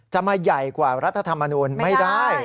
จะมาใหญ่กว่ารัฐธรรมนูลไม่ได้